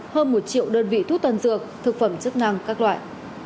hơn một triệu đơn vị thuốc tân dược thực phẩm chức năng các loại